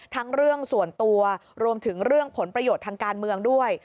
เรื่องส่วนตัวรวมถึงเรื่องผลประโยชน์ทางการเมืองด้วย